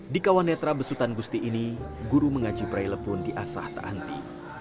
di kawan netra besutan gusti ini guru mengaji prele pun diasah terhenti